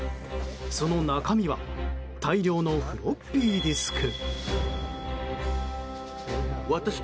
その中身は大量のフロッピーディスク。